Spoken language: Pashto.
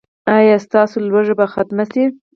ایا ستاسو لوږه به ختمه شي؟